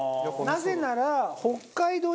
なぜなら北海道